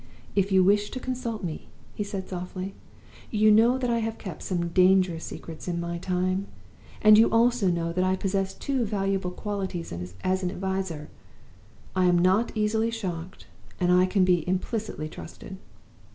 "'If you wish to consult me,' he said, softly, 'you know that I have kept some dangerous secrets in my time, and you also know that I possess two valuable qualities as an adviser. I am not easily shocked; and I can be implicitly trusted.